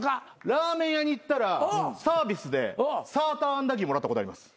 ラーメン屋に行ったらサービスでサーターアンダギーもらったことあります。